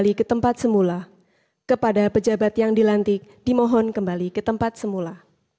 lagu kebangsaan indonesia raya